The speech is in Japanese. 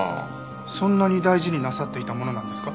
そんなに大事になさっていたものなんですか？